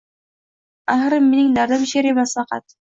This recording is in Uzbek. Axir mening dardim Sher emas faqat